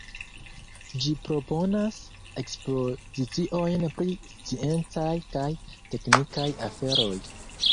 Ĝi proponas ekspoziciojn pri sciencaj kaj teknikaj aferoj.